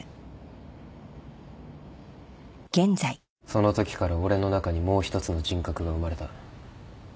そのときから俺の中にもう一つの人格が生まれた。